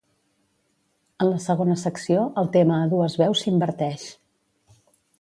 En la segona secció, el tema a dues veus s'inverteix.